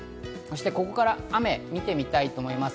ここから雨を見てみたいと思います。